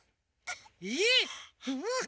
えっ？